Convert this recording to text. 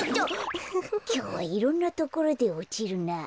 きょうはいろんなところでおちるなあ。